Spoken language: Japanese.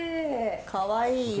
かわいい色。